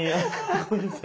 ごめんなさい。